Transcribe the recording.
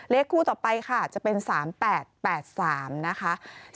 เลขคู่ต่อไปค่ะจะเป็น๓๘๘๓นะคะ